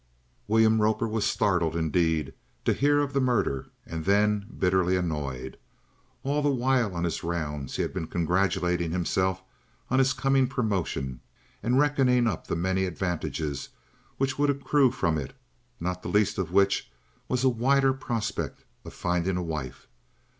William Roper was startled, indeed, to hear of the murder, and then bitterly annoyed. All the while on his rounds he had been congratulating himself on his coming promotion, and reckoning up the many advantages which would accrue from it, not the least of which was a wider prospect of finding a wife.